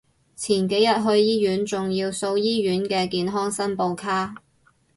前幾日去醫院仲要掃醫院嘅健康申報卡